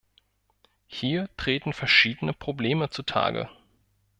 Hier treten verschiedene Probleme zutage.